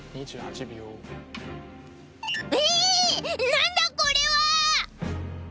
何だこれは！